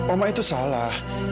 oma itu salah